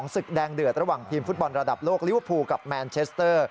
ศึกแดงเดือดระหว่างทีมฟุตบอลระดับโลกลิเวอร์พูลกับแมนเชสเตอร์